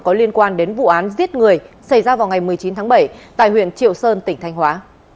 có liên quan đến vụ án giết người xảy ra vào ngày một mươi chín tháng bảy tại huyện triệu sơn tỉnh thanh hóa